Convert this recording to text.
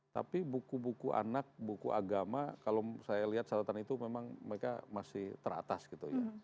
tapi buku buku anak buku agama kalau saya lihat catatan itu memang mereka masih teratas gitu ya